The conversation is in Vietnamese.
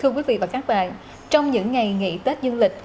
thưa quý vị và các bạn trong những ngày nghỉ tết dương lịch